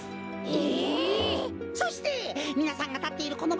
え！？